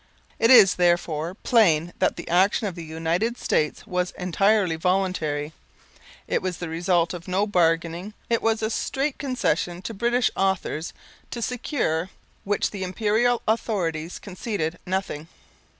It is, therefore, plain that the action of the United States was entirely voluntary; it was the result of no bargaining; it was a straight concession to British authors, to secure which the Imperial authorities conceded nothing.